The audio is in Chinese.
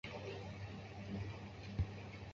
虽然我们吃很慢